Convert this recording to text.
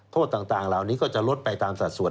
โทษต่างเหล่านี้ก็จะลดไปตามสัดส่วน